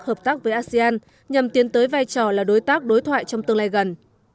hợp tác với asean nhằm tiến tới vai trò là đối tác đối thoại trong tương lai gần